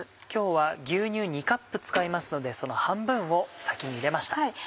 今日は牛乳２カップ使いますのでその半分を先に入れました。